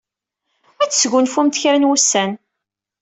Ad tesgunfumt kra n wussan.